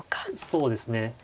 そうですね。